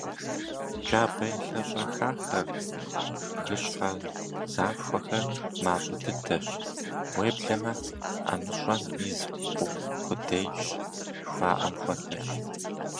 Джабэ елъэщӏэхахэр, бгыщхьэ захуэхэр мащӏэ дыдэщ, уеблэмэ «ӏэмыщӏэм из хъу къудейщ» жыхуаӏэм хуэдэщ.